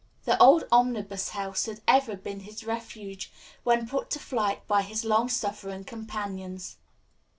The old Omnibus House had ever been his refuge when put to flight by his long suffering companions.